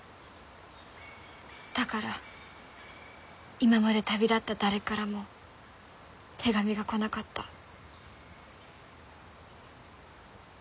だから今まで旅立った誰からも手紙が来なかった。